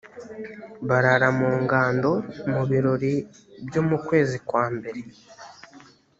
barara mu ngando mu birori byo mu kwezi kwambere